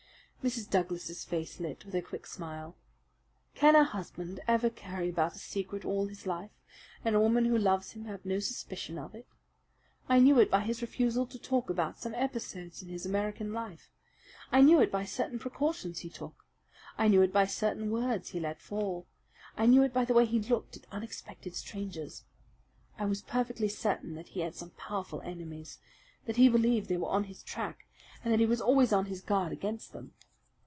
Mrs. Douglas's face lit with a quick smile. "Can a husband ever carry about a secret all his life and a woman who loves him have no suspicion of it? I knew it by his refusal to talk about some episodes in his American life. I knew it by certain precautions he took. I knew it by certain words he let fall. I knew it by the way he looked at unexpected strangers. I was perfectly certain that he had some powerful enemies, that he believed they were on his track, and that he was always on his guard against them.